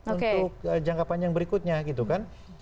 untuk jangka panjang berikutnya